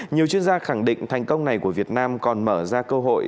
nhiều chuyên gia khẳng định thành công này của việt nam còn mở ra cơ hội